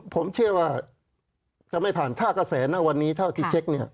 ผมเชื่อว่าจะไม่ผ่านท่ากระแสนะวันนี้เท่าที่เช็คเนี่ย